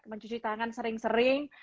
mencuci tangan sering sering